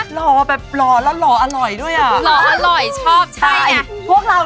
หล่อแบบหล่อแล้วหล่ออร่อยด้วยอะอืม